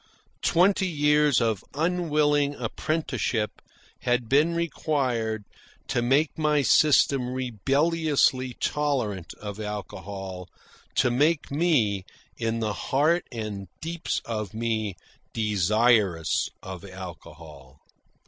Twenty years of unwilling apprenticeship had been required to make my system rebelliously tolerant of alcohol, to make me, in the heart and the deeps of me, desirous of alcohol.